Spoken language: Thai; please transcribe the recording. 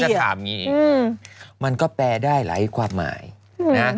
จะถามอย่างนี้มันก็แปลได้หลายความหมายนะ